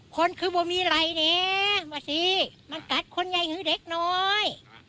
คนคือบ่มีไรเนี่ยมาสิมันกัดคนใหญ่งี้เล็กน้อย